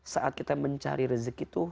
saat kita mencari rezeki itu